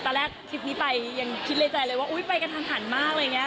ต่อแรกคลิปนี้ไปยังคิดใจแหละว่าอุ๊ยไปกระทันมากเลยไง